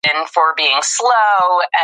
ترکیب د مانا یووالی ښيي.